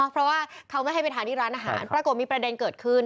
เพราะว่าเขาไม่ให้ไปทานที่ร้านอาหารปรากฏมีประเด็นเกิดขึ้น